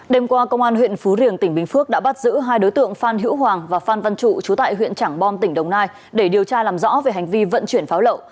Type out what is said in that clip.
đêm qua công an huyện phú riềng tỉnh bình phước đã bắt giữ hai đối tượng phan hữu hoàng và phan văn trụ chú tại huyện trảng bom tỉnh đồng nai để điều tra làm rõ về hành vi vận chuyển pháo lậu